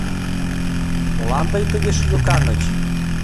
Молан тый тыге шӱлыкаҥыч?